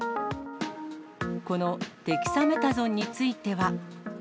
このデキサメタゾンについては。